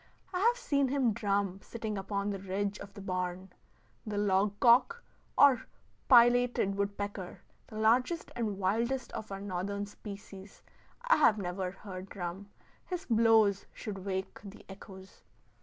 I have seen him drum sitting upon the ridge of the barn. The log cock, or pileated woodpecker, the largest and wildest of our Northern species, I have never heard drum. His blows should wake the echoes.